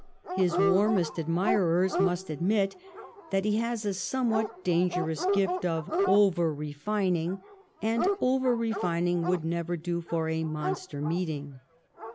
His warmest admirers must admit that he has a somewhat dangerous gift of over refining, and over refining would never do for a monster meeting.